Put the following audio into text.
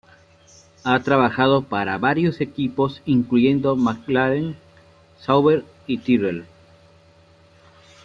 Ha trabajado para varios equipos, incluyendo McLaren, Sauber y Tyrrell.